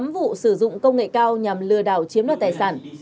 tám vụ sử dụng công nghệ cao nhằm lừa đảo chiếm đoạt tài sản